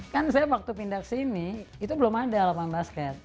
kan saya waktu pindah kesini itu belum ada lapangan basket